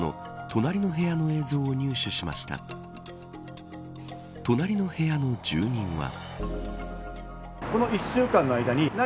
隣の部屋の住人は。